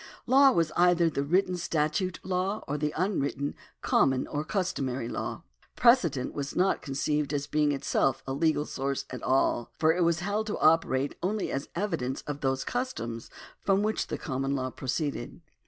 Law was either the written statute law, or the unwritten, common, or customary law. Precedent was not conceived as being itself a legal source at all, for it was held to operate only as evidence of those customs from which the common law pro ceeded.